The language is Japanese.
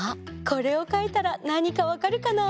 これをかいたらなにかわかるかな。